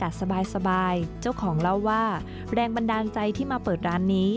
ด้านใจที่มาเปิดร้านนี้